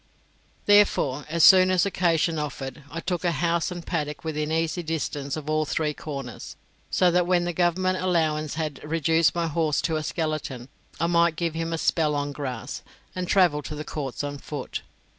Therefore, as soon as occasion offered, I took a house and paddock within easy distance of all the three corners, so that when the Government allowance had reduced my horse to a skeleton, I might give him a spell on grass, and travel to the courts on foot.